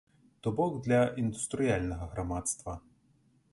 То бок для індустрыяльнага грамадства.